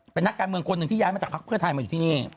เป็นนักการเมืองคนหนึ่งที่ย้ายมาจากภักดิ์เพื่อไทยมาอยู่ที่นี่